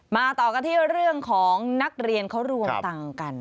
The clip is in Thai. ต่อกันที่เรื่องของนักเรียนเขารวมตังค์กัน